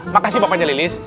makasih pak paknya lilis